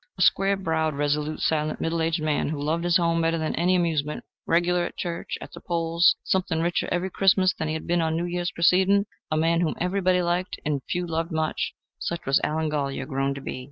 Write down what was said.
A square browed, resolute, silent, middle aged man, who loved his home better than any amusement, regular at church, at the polls, something richer every Christmas than he had been on the New Year's preceding a man whom everybody liked and few loved much such had Allen Golyer grown to be.